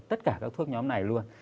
tất cả các thuốc nhóm này luôn